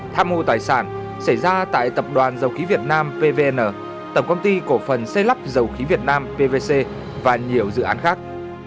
tham mô tài sản xảy ra tại tập đoàn dầu khí việt nam pvn tổng công ty cổ phần xây lắp dầu khí việt nam pvc và nhiều dự án khác